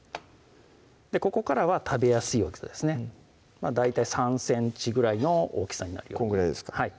ここからは食べやすい大きさですねまぁ大体３ｃｍぐらいの大きさになるようにこんぐらいですか？